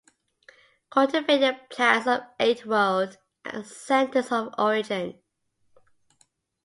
Cultivated plants of eight world centers of origin